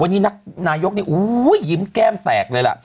วันนี้นายกนี่อู้ยยิ้มแก้มแตกเลยล่ะ